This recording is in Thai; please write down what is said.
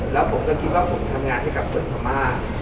แล้วผมก็คิดว่าผมทำงานให้กับคนพม่า